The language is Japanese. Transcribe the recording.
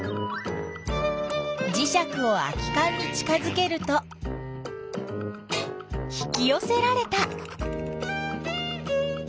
じしゃくを空きかんに近づけると引きよせられた。